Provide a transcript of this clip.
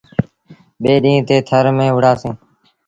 ٻي ڏيٚݩهݩ تي ٿر ميݩ وُهڙآ سيٚݩ۔